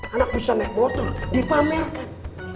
anak bisa naik motor dipamerkan